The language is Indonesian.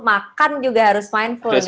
makan juga harus mindfull